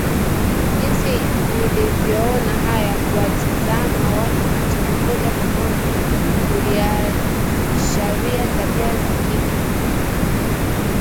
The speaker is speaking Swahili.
Jinsi nilvyoona haya kuwatizama watu machoni moja kwa moja kuliasharia tabia za kike